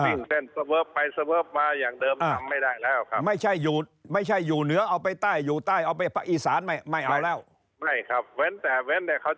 สิ่งเส้นสเวิบไปสเวิบมาอย่างเดิมทำไม่ได้แล้วครับไม่ใช่อยู่ไม่ใช่อยู่เหนือเอาไปใต้อยู่ใต้เอาไปประอีศาลไม่ไม่เอาแล้ว